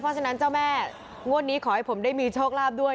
เพราะฉะนั้นเจ้าแม่งวดนี้ขอให้ผมได้มีโชคลาภด้วย